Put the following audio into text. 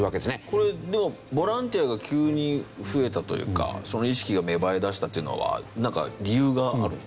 これでもボランティアが急に増えたというかその意識が芽生えだしたというのはなんか理由があるんですか？